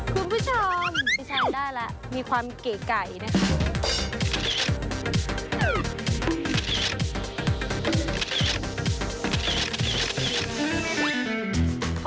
คุณผู้ชมมีความเก๋ไก๋นะค่ะ